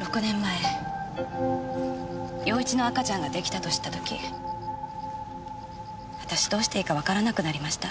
６年前陽一の赤ちゃんが出来たと知った時私どうしていいかわからなくなりました。